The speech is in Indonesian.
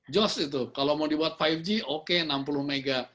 jos itu kalau mau dibuat lima g oke enam puluh m